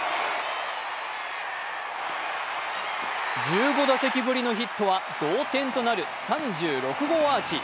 １５打席ぶりのヒットは同点となる３６号アーチ。